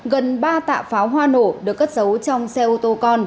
gần ba tạ pháo hoa nổ được cất giấu trong xe ô tô con